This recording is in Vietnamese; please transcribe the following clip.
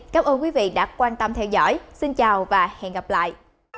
cảm ơn quý vị đã quan tâm theo dõi xin chào và hẹn gặp lại